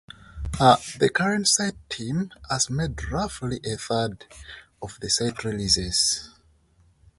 The current site team has made roughly a third of the site releases.